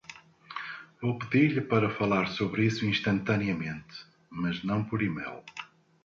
Vou pedir-lhe para falar sobre isso instantaneamente, mas não por e-mail.